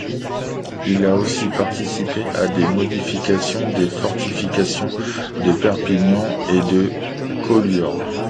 Il a aussi participé à des modifications des fortifications de Perpignan et de Collioure.